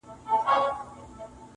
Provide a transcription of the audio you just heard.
• چي و شمي د آدب ته پنګان سي..